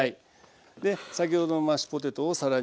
先ほどのマッシュポテトを皿に盛って。